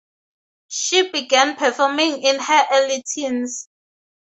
She began performing in her early teens.